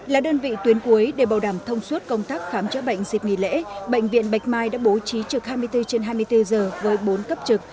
là đơn vị tuyến cuối để bảo đảm thông suốt công tác khám chữa bệnh dịp nghỉ lễ bệnh viện bạch mai đã bố trí trực hai mươi bốn trên hai mươi bốn giờ với bốn cấp trực